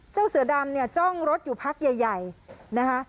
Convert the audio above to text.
เจ้าเสือดำเนี่ยจ้องรถอยู่พักใหญ่นะคะ